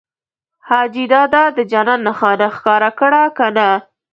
حاجي دادا د جنت نښانه ښکاره کړه که نه؟